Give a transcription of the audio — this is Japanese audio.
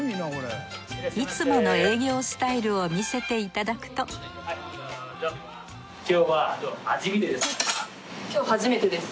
いつもの営業スタイルを見せていただくと今日初めてです。